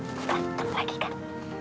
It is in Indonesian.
udah gak lagi kan